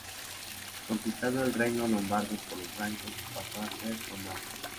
Conquistado el reino lombardo por los francos, pasó a ser condado.